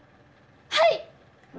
はい！